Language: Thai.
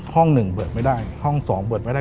ห้องหนึ่งเปิดไม่ได้ห้อง๒เปิดไม่ได้